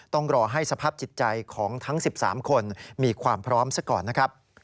ต้องรอให้สภาพจิตใจของทั้ง๑๓คนมีความพร้อมซะก่อนนะครับ